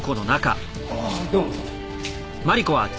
あどうも。